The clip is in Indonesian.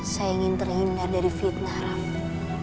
saya ingin terhindar dari fitnah rahmat